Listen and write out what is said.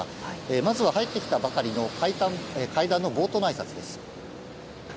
まずは入ってきたばかりの会談の冒頭のあいさつです。